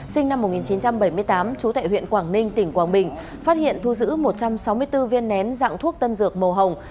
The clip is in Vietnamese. sinh năm một nghìn chín trăm bảy mươi tám trú tại huyện quảng ninh tỉnh quảng bình phát hiện thu giữ một trăm sáu mươi bốn viên nén dạng thuốc tân dược màu hồng